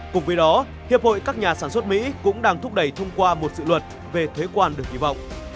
cùng với đó hiệp hội các nhà sản xuất mỹ cũng đang thúc đẩy thông qua một dự luật về thuế quan được kỳ vọng